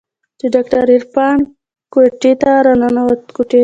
چې ډاکتر عرفان کوټې ته راننوت.